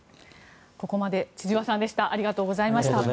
ここまで千々和さんでした。